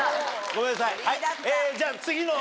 ごめんなさい。